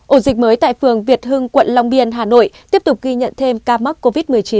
ổ dịch mới tại phường việt hưng quận long biên hà nội tiếp tục ghi nhận thêm ca mắc covid một mươi chín